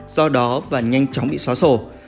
do đó và nhanh chóng bị xóa sổ